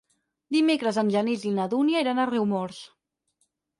Dimecres en Genís i na Dúnia iran a Riumors.